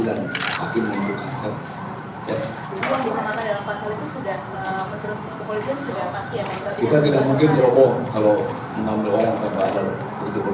kalaupun ada yang bergerak di sini sangatlah tidak mungkin